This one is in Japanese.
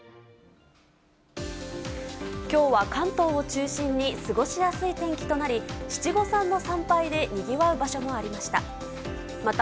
きょうは関東を中心に過ごしやすい天気となり、七五三の参拝でにぎわう場所もありました。